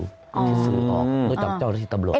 ที่ซื้อออกรู้จักจ้าวที่ตำรวจ